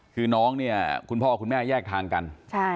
คือน้องเนี่ยคุณพ่อคุณแม่แยกทางกัน